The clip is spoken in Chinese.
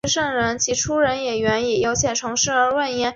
斯普利特犹太会堂是克罗地亚斯普利特的一座犹太会堂。